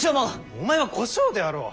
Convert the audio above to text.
お前は小姓であろう。